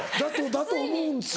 だと思うんですよ。